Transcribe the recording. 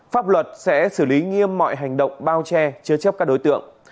pháp luật sẽ xử lý nghiêm mọi hành động bao che chứa chấp các đối tượng